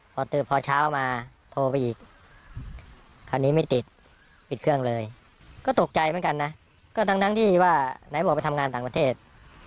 พอเช้ามาโทรไปอีกคราวนี้ไม่ติดปิดเครื่องเลยก็ตกใจเหมือนกันนะก็ทั้งที่ว่าไหนบอกไปทำงานต่างประเทศ